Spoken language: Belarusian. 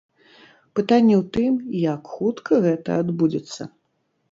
Пытанне ў тым, як хутка гэта адбудзецца.